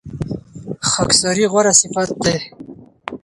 خاکساري غوره صفت دی.